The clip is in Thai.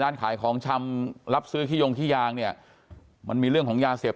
ร้านขายของชำรับซื้อขี้ยงขี้ยางเนี่ยมันมีเรื่องของยาเสพ